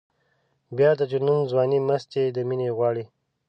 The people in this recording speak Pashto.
بیا د جنون ځواني مستي د مینې غواړي.